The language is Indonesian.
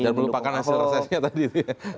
dan melupakan hasil resesnya tadi ya